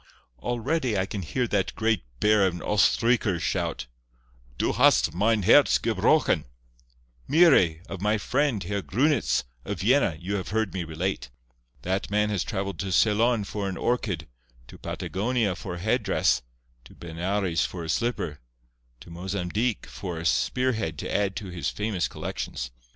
_ Already can I hear that great bear of an Oestreicher shout, 'Du hast mein herz gebrochen!' Mire! Of my friend, Herr Grunitz, of Vienna, you have heard me relate. That man has travelled to Ceylon for an orchid—to Patagonia for a headdress—to Benares for a slipper—to Mozambique for a spearhead to add to his famous collections.